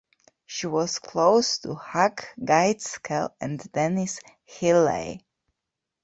She was close to Hugh Gaitskell and Denis Healey.